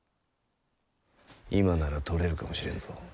今なら取れるかもしれんぞ。